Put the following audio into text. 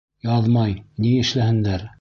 Яҙмай, ни эшләһендәр.